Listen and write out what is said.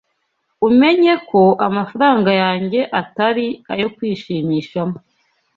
Umenye ko amafaranga yanjye Atari ayo kwishimishamo